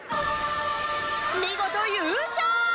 見事優勝！